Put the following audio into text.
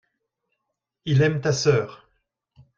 il aime ta sœur.